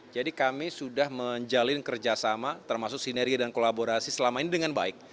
jadi kami sudah menjalin kerjasama termasuk sinergi dan kolaborasi selama ini dengan baik